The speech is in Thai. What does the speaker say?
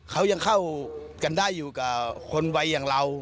เขายังเข้ากันได้อยู่กับคนวัยอย่างเรา